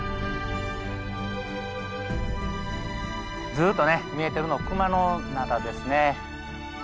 ずっとね見えてるの熊野灘ですね。